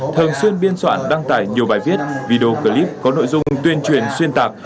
thường xuyên biên soạn đăng tải nhiều bài viết video clip có nội dung tuyên truyền xuyên tạc